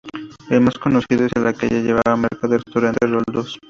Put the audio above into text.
El más conocido es el que lleva la marca del restaurante Roldós.